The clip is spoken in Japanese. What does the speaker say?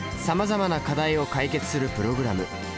さまざまな課題を解決するプログラム。